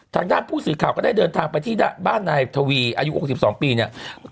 ทางด้านผู้สื่อข่าวก็ได้เดินทางไปที่บ้านนายทวีอายุ๖๒ปีเนี่ย